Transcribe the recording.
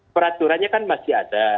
peraturannya kan masih ada